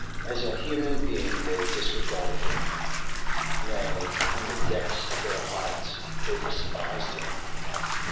As a human being they disregarded him. Nay, in the depth of their hearts they despised him.